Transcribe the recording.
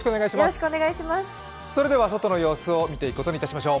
それでは外の様子を見ていくことにいたしましょう。